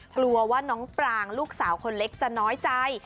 กลัวว่าน้องปรางลูกสาวคนเล็กจะน้อยใจ